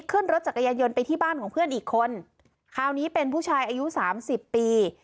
ขึ้นรถจักรยายนต์ไปที่บ้านของเพื่อนอีกคนคราวนี้เป็นผู้ชายอายุสามสิบปี